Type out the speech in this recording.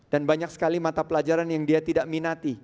dan banyak sekali mata pelajaran yang dia tidak minati